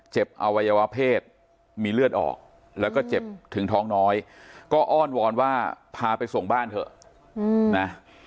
อวัยวะเพศมีเลือดออกแล้วก็เจ็บถึงท้องน้อยก็อ้อนวอนว่าพาไปส่งบ้านเถอะนะ